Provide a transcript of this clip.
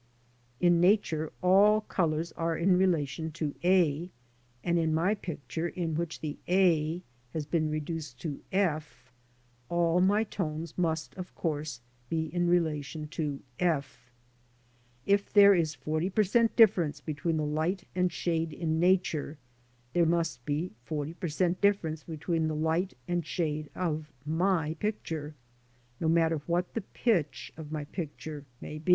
In Nature all colours are in relation to "A,'' and in my picture, in which the "A'' has been reduced to " F," all my tones must, of course, be in relation to "K" If there is 40 per cent, difference between the light and shade in Nature, there must be 40 per cent, difference between the light and shade of my picture, no matter what the pitch of my picture may be.